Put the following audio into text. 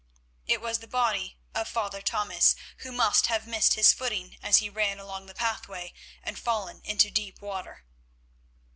It was the body of Father Thomas, who must have missed his footing as he ran along the pathway, and fallen into deep water.